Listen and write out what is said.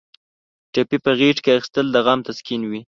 ټپي په غېږ کې اخیستل د غم تسکین وي.